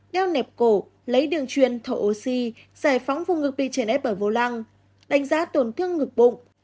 đeo nẹp cổ lấy đường truyền thổ oxy giải phóng vùng ngực bị chảy nét bởi vô lăng đánh giá tổn thương ngực bụng